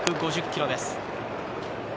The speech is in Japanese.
１５０キロです。